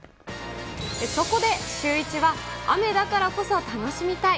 そこでシューイチは、雨だからこそ楽しみたい！